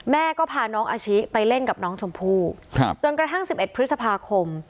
แม่ก็พาน้องอาชิไปเล่นกับน้องชมพู่จนกระทั่ง๑๑พฤษภาคม